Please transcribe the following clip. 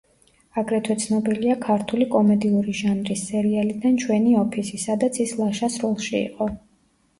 აგრეთვე ცნობილია ქართული კომედიური ჟანრის სერიალიდან „ჩვენი ოფისი“, სადაც ის „ლაშას“ როლში იყო.